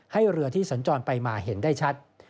เรือที่สัญจรไปมาเห็นได้ชัด